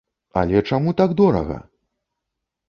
Але чаму так дорага?!